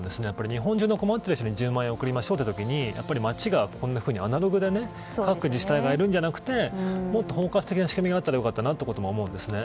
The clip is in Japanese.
日本中の困っている人に１０万を送りましょうというとき町がこんなふうにアナログで各自治体がやるんじゃなくてもっと包括的な仕組みがあれば良かったなと思いますね。